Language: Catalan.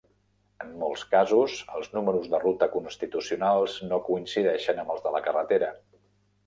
En molts casos, els números de ruta constitucionals no coincideixen amb els de la carretera.